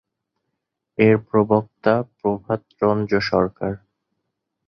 এর প্রবক্তা প্রভাতরঞ্জন সরকার।